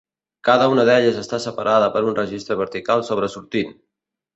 Cada una d'elles està separada per un registre vertical sobresortint.